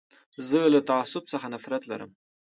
زه له تعصب څخه نفرت لرم.